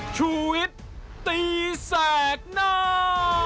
ชุวิตตีแสดหน้า